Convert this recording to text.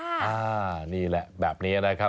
อันนี้แหละแบบนี้นะครับ